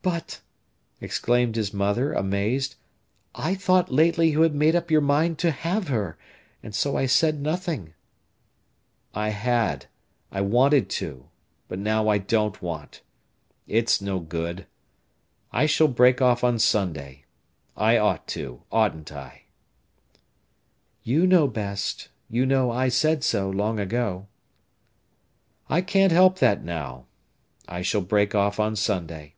"But," exclaimed his mother, amazed, "I thought lately you had made up your mind to have her, and so I said nothing." "I had—I wanted to—but now I don't want. It's no good. I shall break off on Sunday. I ought to, oughtn't I?" "You know best. You know I said so long ago." "I can't help that now. I shall break off on Sunday."